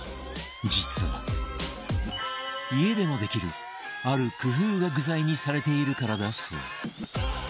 実は家でもできるある工夫が具材にされているからだそう